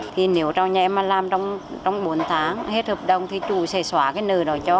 thì nếu trong nhà em mà làm trong bốn tháng hết hợp đồng thì chủ sẽ xóa cái nờ đó cho